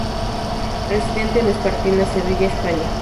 Residente en Espartinas, Sevilla, España.